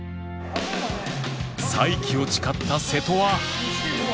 再起を誓った瀬戸は